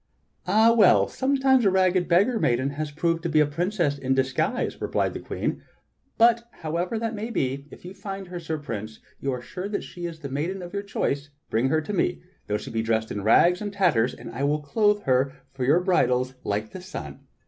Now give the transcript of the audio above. "Ah well! sometimes a rag ged beggar maiden has proved to be a princess in disguise," re plied the Queen. "But however that maj^ be, if you find her. Sir Prince, and are sure that she is the maiden of your choice, bring her to me, though she be dressed in rags and tatters, and I will clothe her for her bridals like the sun.